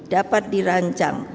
ini dapat dirancang